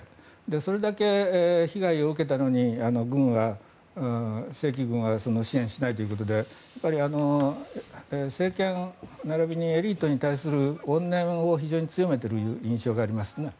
それだけ被害を受けたのに正規軍は支援しないということで政権並びにエリートに対する怨念を非常に強めている印象がありますね。